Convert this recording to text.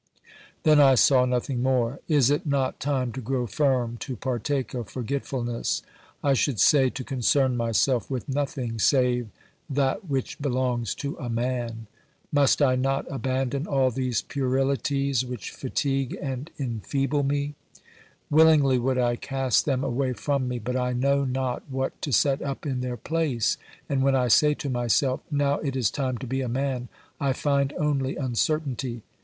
Then I saw nothing more. Is it not time to grow firm, to partake of forgetfulness ? I should say, to concern myself with nothing save ... that which belongs to a man ? Must I not aban don all these puerilities which fatigue and enfeeble me ? Willingly would I cast them away from me, but I know not what to set up in their place, and when I say to my self: Now it is time to be a man, I find only uncertainty.